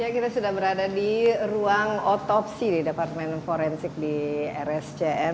kita sudah berada di ruang otopsi di departemen forensik di rscm